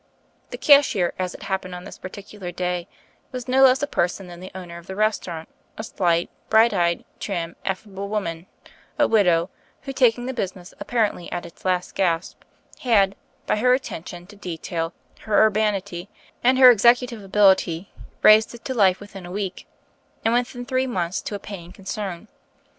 The cashier, as it happened on this particu lar day, was no less a person than the owner of the restaurant, a slight, bright eyed, trim, affa ble woman — a widow — who, taking the business apparently at its last gasp, had, by her atten tion to detail, her urbanity, and her executive ability raised it to life within a week, and, within three months, to a paying concern.